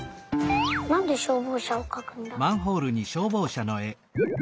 なんでしょうぼうしゃをかくんだろう？